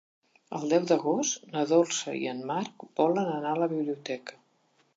El deu d'agost na Dolça i en Marc volen anar a la biblioteca.